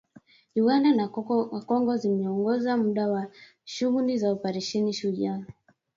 Uganda na Kongo zimeongeza muda wa shughuli za Operesheni Shujaa